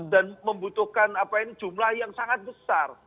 membutuhkan jumlah yang sangat besar